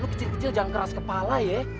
lo kecil kecil jangan keras kepala ye